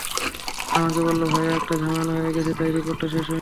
আমাকে বলল, ভাইয়া একটা ঝামেলা হয়ে গেছে তাই রিপোর্টটা শেষ হয়নি।